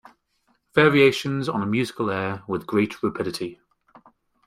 Variations on a musical air With great rapidity.